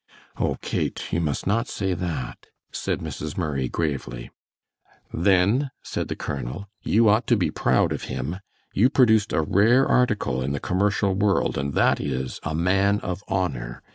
"Oh, Kate, you must not say that," said Mrs. Murray, gravely. "Then," said the colonel, "you ought to be proud of him. You produced a rare article in the commercial world, and that is a man of honor.